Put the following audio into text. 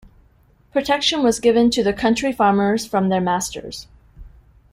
Protection was given to the country farmers from their masters.